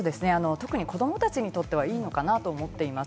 特に子供たちにとっては、いいのかなと思っています。